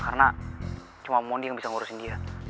karena cuma mon yang bisa ngurusin dia